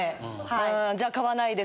はい。